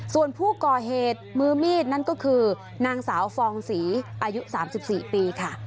ส่วนผู้ก่อเหตุมือมีดนั่นก็คือนางสาวฟองศรีอายุ๓๔ปีค่ะ